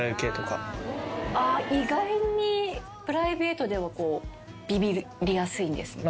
意外にプライベートではビビりやすいんですね。